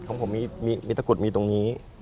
ของผมมีตะกุดมีตรงนี้